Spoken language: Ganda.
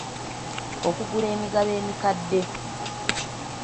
Okugula emigabo emikadde.